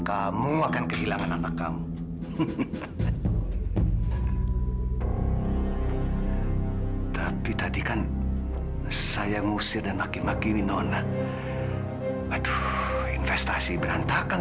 kamu akan kehilangan anak kamu tapi tadi kan saya ngusir dan aki maki winona aduh investasi berantakan